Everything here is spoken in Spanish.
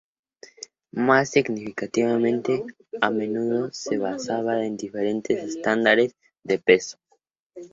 Más significativamente, a menudo se basaba en diferentes estándares de peso.